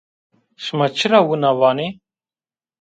Şima çira wina vanê?